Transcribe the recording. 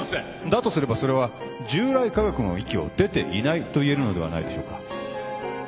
だとすればそれは従来科学の域を出ていないと言えるのではないでしょうか？